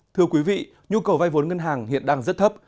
thưa quý vị nhu cầu vay vốn ngân hàng hiện đang rất thấp